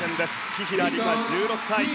紀平梨花１６歳。